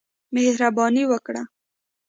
مهرباني وکړه !